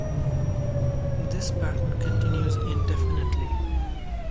This pattern continues indefinitely.